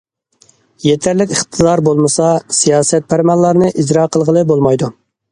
يېتەرلىك ئىقتىدار بولمىسا، سىياسەت، پەرمانلارنى ئىجرا قىلغىلى بولمايدۇ.